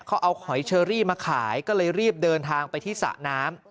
เขาเอาหอยเชอรี่มาขายก็เลยรีบเดินทางไปที่สระน้ำ